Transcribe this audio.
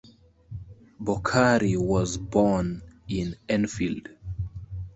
Bokhari was born in Enfield.